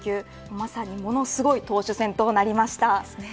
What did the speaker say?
まさにものすごい投手戦となりました。